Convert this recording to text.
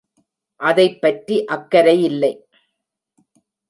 அதைப் பற்றி அக்கரையில்லை.